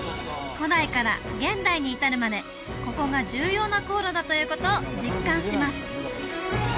古代から現代に至るまでここが重要な航路だということを実感します